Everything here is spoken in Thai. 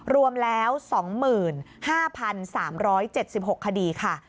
รวมแล้ว๒๕๓๗๖คดีค่ะ